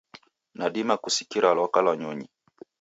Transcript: Nadima kusikira lwaka lwa nyonyi